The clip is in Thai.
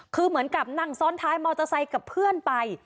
คือเหมือนกับนั่งซ้อนท้ายมอเตอร์ไซค์กับเพื่อนไป